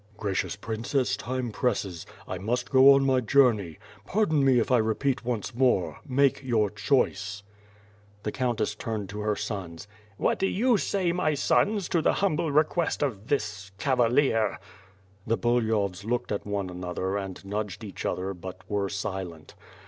"Gracious Princess, time presses; 1 must go on my journey. Pardon me if I repeat once more: Make your choice." The countess turned to her sons: "What do you say, my sons, to the humble request of this cavalier? The Bulyhovs looked at one another and nudged each other but were silent.